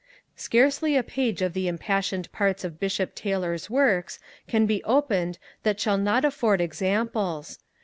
Scarcely a page of the impassioned parts of Bishop Taylor's Works can be opened that shall not afford examples.